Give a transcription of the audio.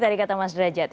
tadi kata mas derajat